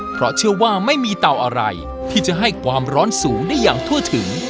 เพราะเชื่อว่าไม่มีเตาอะไรที่จะให้ความร้อนสูงได้อย่างทั่วถึง